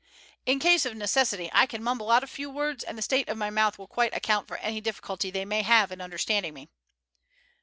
In case of necessity I can mumble out a few words, and the state of my mouth will quite account for any difficulty they may have in understanding me."